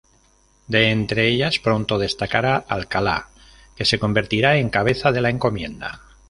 De entre ellas pronto destacará Alcalá, que se convertirá en cabeza de la encomienda.